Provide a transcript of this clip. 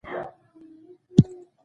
• هر سړی باید خپل مسؤلیت درک کړي.